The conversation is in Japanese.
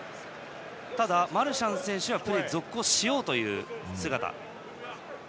ただマルシャン選手はプレーを続行しようという姿。